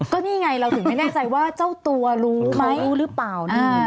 ก็นี่ไงเราถึงไม่แน่ใจว่าเจ้าตัวรู้ไหมหรือเปล่านะ